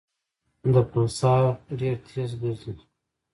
د پلسار ډېر تېز ګرځي.